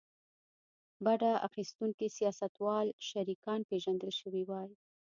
بډه اخیستونکي سیاستوال شریکان پېژندل شوي وای.